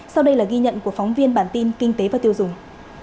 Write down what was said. sau đây là ghi nhận của phóng viên bản tin kinh tế và tiêu dùng